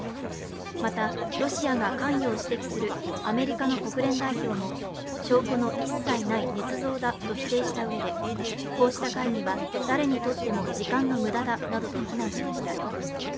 また、ロシアが関与を指摘するアメリカの国連代表も証拠の一切ない、ねつ造だと否定したうえで、こうした会議は誰にとっても時間の無駄だなどと非難しました。